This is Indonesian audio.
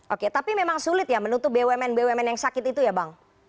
oke tapi memang sulit ya menutup bumn bumn yang sakit itu ya bang